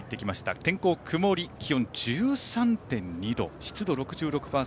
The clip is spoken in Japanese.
天候曇り、気温１３．２度湿度６６％